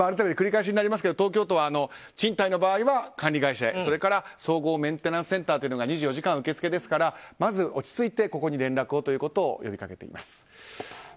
繰り返しになりますが東京都は賃貸の場合は管理会社へそれから総合メンテナンスセンターが２４時間受付ですから落ち着いてここに連絡をと呼びかけています。